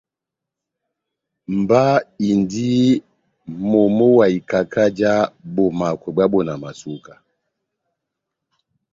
Mba indi momo wa ikaka já bomakwɛ bwá bonamasuka.